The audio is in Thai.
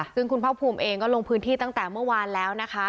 ซึ่งคุณภาคภูมิเองก็ลงพื้นที่ตั้งแต่เมื่อวานแล้วนะคะ